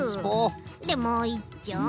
でもういっちょを。